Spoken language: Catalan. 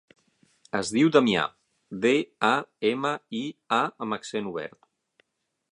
Es diu Damià: de, a, ema, i, a amb accent obert.